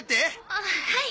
ああはい。